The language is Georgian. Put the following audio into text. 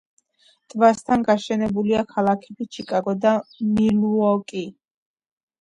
ტბასთან გაშენებულია ქალაქები ჩიკაგო და მილუოკი.